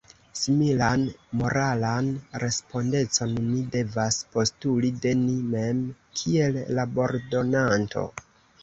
Similan moralan respondecon ni devas postuli de ni mem kiel labordonanto.